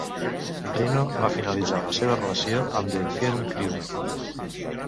Rhino va finalitzar la seva relació amb The Film Crew.